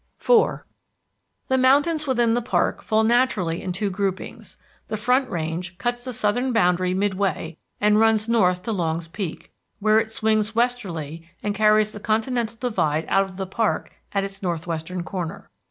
IV The mountains within the park fall naturally in two groupings. The Front Range cuts the southern boundary midway and runs north to Longs Peak, where it swings westerly and carries the continental divide out of the park at its northwestern corner.